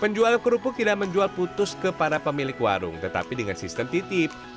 penjual kerupuk tidak menjual putus ke para pemilik warung tetapi dengan sistem titip